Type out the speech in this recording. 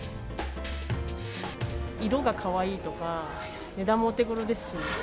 色がかわいいとか、値段もお手ごろですし。